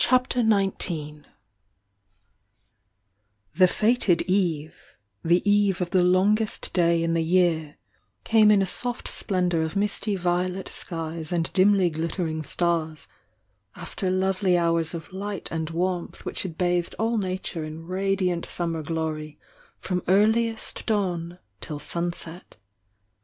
I » 1 a ski h CHAPTER XIX The fated eve,— eve of the longest day in the year, — came in a soft splendour of misty violet skies and dimly glittering stars— after lovely hours of light and warmth which had bathed all nature in radiant summer glory from earliest dawn till sun pet.